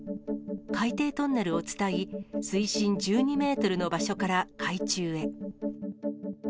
海底トンネルを伝い、水深１２メートルの場所から海中へ。